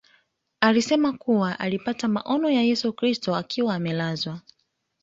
Alisema kuwa alipata maono ya Yesu Kristo akiwa amelazwa